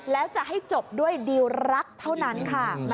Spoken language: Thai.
แล้วจะให้จบด้วยดิวรักเท่านั้นค่ะ